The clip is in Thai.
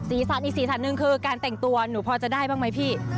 อีกสีสันหนึ่งคือการแต่งตัวหนูพอจะได้บ้างไหมพี่